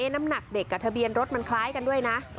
น้ำหนักเด็กกับทะเบียนรถมันคล้ายกันด้วยนะ